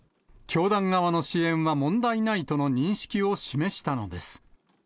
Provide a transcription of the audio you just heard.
教団側の支援は問題ないとの認識を示したのです。